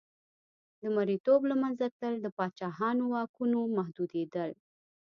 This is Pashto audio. د مریتوب له منځه تلل د پاچاهانو واکونو محدودېدل.